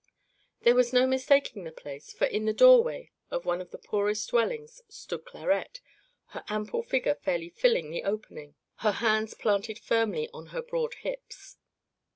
There was no mistaking the place, for in the doorway of one of the poorest dwellings stood Clarette, her ample figure fairly filling the opening, her hands planted firmly on her broad hips.